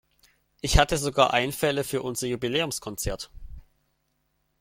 Ich hatte sogar Einfälle für unser Jubiläumskonzert.